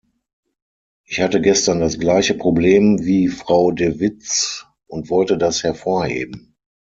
Ich hatte gestern das gleiche Problem wie Frau De Vits und wollte das hervorheben.